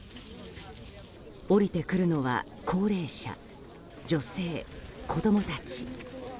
降りてくるのは高齢者、女性、子供たち。